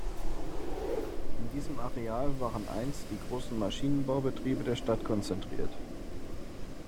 In diesem Areal waren einst die großen Maschinenbau-Betriebe der Stadt konzentriert.